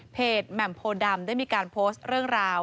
แหม่มโพดำได้มีการโพสต์เรื่องราว